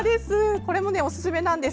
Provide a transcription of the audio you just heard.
これもおすすめなんです。